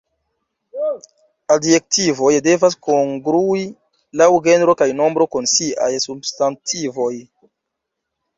Adjektivoj devas kongrui laŭ genro kaj nombro kun siaj substantivoj.